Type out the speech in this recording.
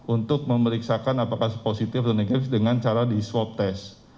untuk memeriksakan apakah positif atau negatif dengan cara di swab test